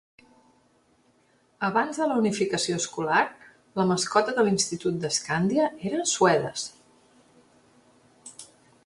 Abans de la unificació escolar, la mascota de l'Institut de Scandia era Swedes.